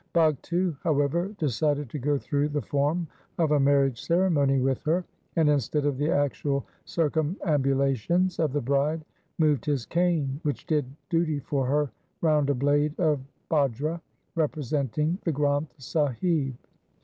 Bhagtu, however, decided to go through the form of a marriage ceremony with her, and instead of the actual circumambulations of the bride moved his cane, which did duty for her, round a blade of bajra, representing the Granth Sahib.